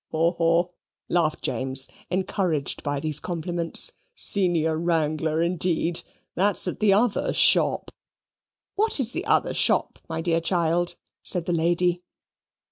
"Haw, haw," laughed James, encouraged by these compliments; "Senior Wrangler, indeed; that's at the other shop." "What is the other shop, my dear child?" said the lady.